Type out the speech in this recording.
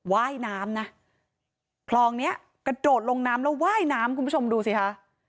ว่ายน้ำนะคลองเนี้ยกระโดดลงน้ำแล้วว่ายน้ำคุณผู้ชมดูสิคะ